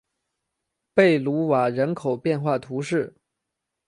贝卢瓦人口变化图示